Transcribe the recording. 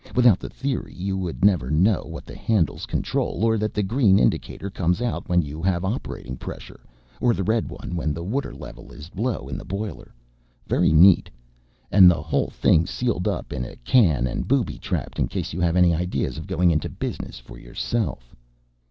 Without the theory you would never know what the handles control, or that the green indicator comes out when you have operating pressure or the red one when the water level is low in the boiler. Very neat. And the whole thing sealed up in a can and booby trapped in case you have any ideas of going into business for yourself.